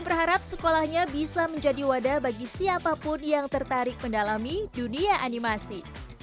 berharap sekolahnya bisa menjadi wadah bagi siapapun yang tertarik mendalami dunia animasi